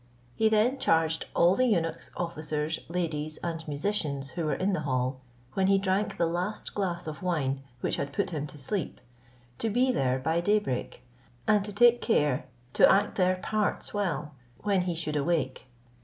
He then charged all the eunuchs, officers, ladies, and musicians who were in the hall, when he drank the last glass of wine which had put him to sleep, to be there by daybreak, and to take care to act their parts well when he should awake.